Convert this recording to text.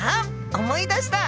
思い出した！